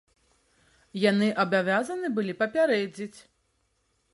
Яны абавязаныя былі папярэдзіць.